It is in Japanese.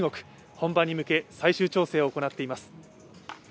本番に向け、最終調整を行っています。